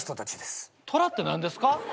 虎って何ですか？